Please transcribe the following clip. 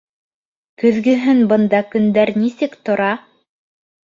Көҙгөһөн бында көндәр нисек тора?